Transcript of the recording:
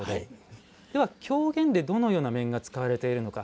では、狂言でどのような面が使われているのか。